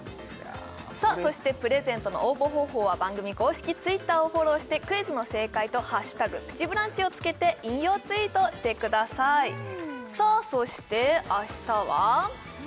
そしてプレゼントの応募方法は番組公式Ｔｗｉｔｔｅｒをフォローしてクイズの正解と「＃プチブランチ」をつけて引用ツイートしてくださいさあそしてあしたは？